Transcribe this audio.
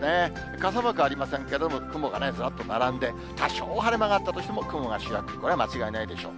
傘マークありませんけれども、雲がずっと並んで、多少晴れ間があったとしても、雲が主役、これは間違いないでしょう。